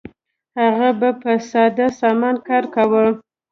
هغه به په ساده سامان کار کاوه.